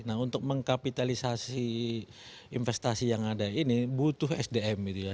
nah untuk mengkapitalisasi investasi yang ada ini butuh sdm gitu ya